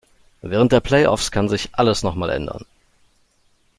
Während der Play-Offs kann sich alles noch mal ändern.